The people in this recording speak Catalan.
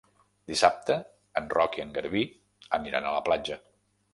Dissabte en Roc i en Garbí aniran a la platja.